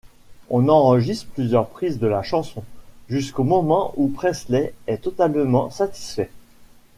On enregistre plusieurs prises de la chanson, jusqu’au moment où Presley est totalement satisfait.